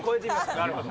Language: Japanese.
なるほど。